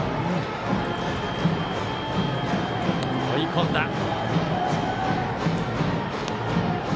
追い込んだ。